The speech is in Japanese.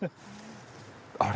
あれ？